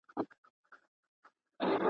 روژه د تمرکز د زیاتوالي سبب ګرځي.